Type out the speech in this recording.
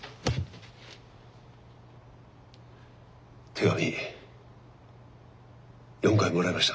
手紙４回もらいました。